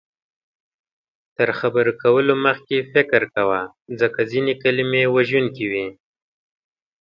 تر خبرو کولو مخکې فکر کوه، ځکه ځینې کلمې وژونکې وي